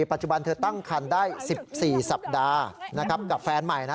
ปัจจุบันเธอตั้งคันได้๑๔สัปดาห์นะครับกับแฟนใหม่นะ